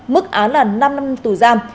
mức án là năm năm tù giam